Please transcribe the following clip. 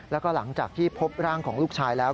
แล้วก็หลังจากที่พบร่างของลูกชายแล้ว